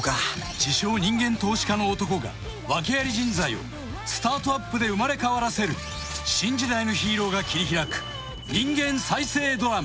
自称・人間投資家の男が訳アリ人材をスタートアップで生まれ変わらせる新時代のヒーローが切り開く人間再生ドラマ。